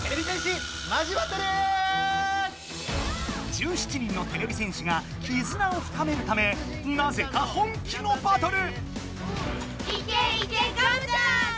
１７人のてれび戦士がきずなをふかめるためなぜか本気のバトル！